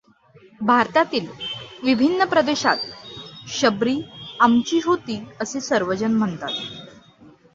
भारतातील विभिन्न प्रदेशात शबरी आमची होती असे सर्वजण म्हणतात.